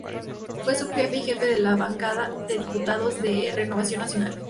Fue subjefe y jefe de la Bancada de Diputados de Renovación Nacional.